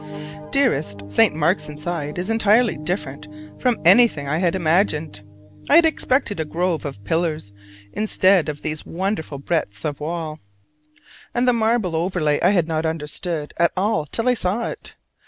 Dearest: St. Mark's inside is entirely different from anything I had imagined. I had expected a grove of pillars instead of these wonderful breadths of wall; and the marble overlay I had not understood at all till I saw it.